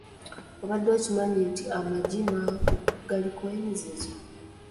Obadde okimanyi nti amagi n’ago galiko emizizo?